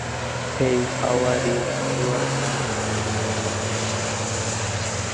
As to the reason for its reappearance, opinions are divided.